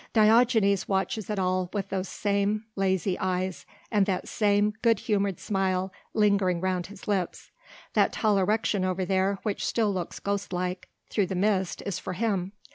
Diogenes watches it all with those same lazy eyes, and that same good humoured smile lingering round his lips. That tall erection over there which still looks ghostlike through the mist is for him.